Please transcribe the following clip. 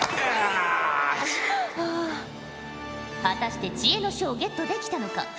果たして知恵の書をゲットできたのか。